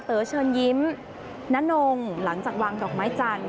เชิญยิ้มณงหลังจากวางดอกไม้จันทร์